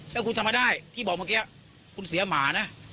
แล้วคุณทำมาได้ที่บอกเมื่อกี้คุณเสียหมานะ